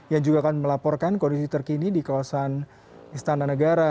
yang juga akan melaporkan kondisi terkini di kawasan istana negara